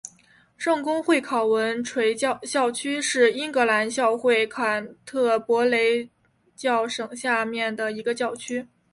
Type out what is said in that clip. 圣公会考文垂教区是英格兰教会坎特伯雷教省下面的一个教区。